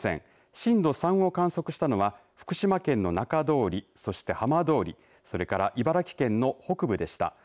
震度３を観測したのは福島県の中通りそして浜通りそれから茨城県の北部でした。